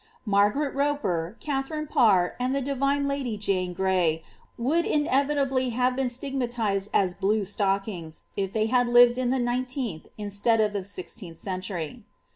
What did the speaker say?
Margaret Roper, Katharine Parr, and the divine lady Jane Giay, would inevitably have been stigmatised as bhie stockings^ if they had lived in the nineteenth instead of the sixteenth century.